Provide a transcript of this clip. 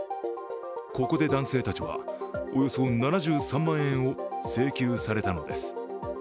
ここで男性たちはおよそ７３万円を請求されたのです。